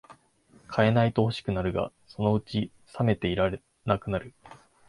買えないと欲しくなるが、そのうちさめていらなくなる